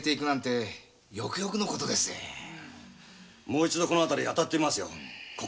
もう一度この辺り当たって見ますよ。